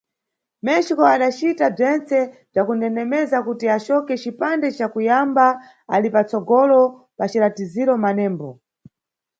México adacita bzwentse bzwa kundendemeza kuti acoke cipande ca kuyamba ali pa tsogolo pa ciratiziro manembo.